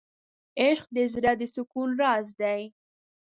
عشق د زړه د سکون راز دی.